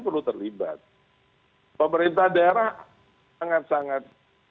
perlu terlibat pemerintah daerah sangat sangat